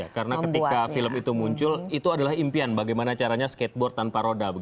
karena ketika film itu muncul itu adalah impian bagaimana caranya skateboard tanpa roda